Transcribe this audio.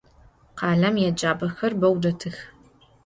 Khalem yêcap'exer beu detıx.